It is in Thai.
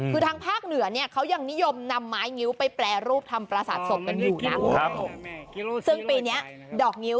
คือทางภาคเหนือนี้เขายังนิยมนำไม้งิ้วไปแปลรูปประสาทสก